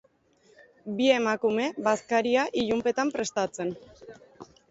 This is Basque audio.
Bi emakume bazkaria ilunpetan prestatzen.